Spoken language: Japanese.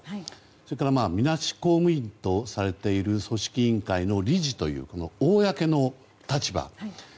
それからみなし公務員とされている組織委員会の理事という公の立場。